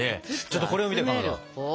ちょっとこれ見てかまど。